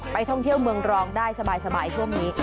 ท่องเที่ยวเมืองรองได้สบายช่วงนี้